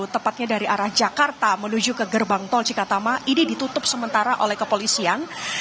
tepatnya dari arah jakarta menuju ke gerbang tol cikatama ini ditutup sementara oleh kepolisian